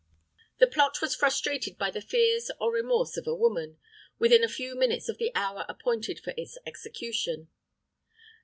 "The plot was frustrated by the fears or remorse of a woman, within a few minutes of the hour appointed for its execution.